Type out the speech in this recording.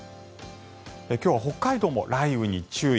今日は北海道も雷雨に注意。